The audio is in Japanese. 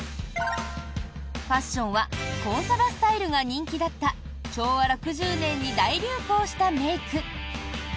ファッションはコンサバスタイルが人気だった昭和６０年に大流行したメイク。